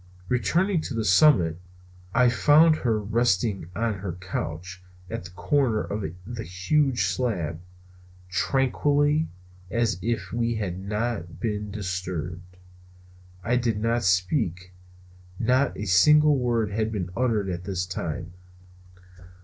Returning to the summit, I found her again resting on her couch at the corner of the huge slab, tranquilly as if we had not been disturbed. I did not speak. Not a single word had been uttered all this time.